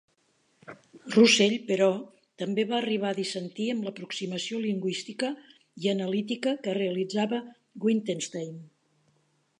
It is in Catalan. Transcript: Russell, però, també va arribar a dissentir amb l'aproximació lingüística i analítica que realitzava Wittgenstein.